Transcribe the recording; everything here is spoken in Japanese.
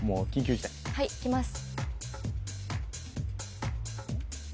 はいいきます